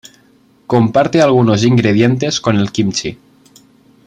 Comparte algunos ingredientes con el kimchi.